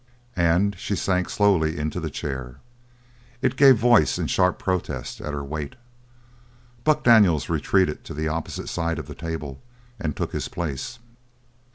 And she sank slowly into the chair. It gave voice in sharp protest at her weight. Buck Daniels retreated to the opposite side of the table and took his place.